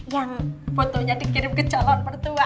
yang botonya dikirim ke calon pertua